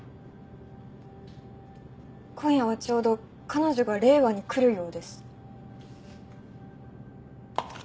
今夜はちょうど彼女が令和に来るようです。